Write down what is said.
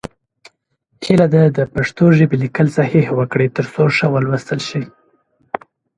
هیله ده د پښتو ژبې لیکل صحیح وکړئ، تر څو ښه ولوستل شي.